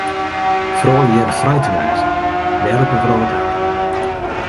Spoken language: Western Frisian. Froulju hearre frij te wêze, wêr op 'e wrâld ek.